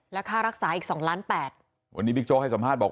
และค่ารักษาอีกสองล้านแปดวันนี้บิ๊กโจ๊กให้สัมภาษณ์บอก